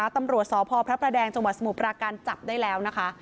ตำรวจสพพระประแดงจังหวัดสมุทรปราการจับได้แล้วนะคะ